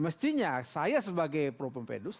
mestinya saya sebagai pro pempedus